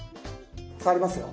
触りますよ。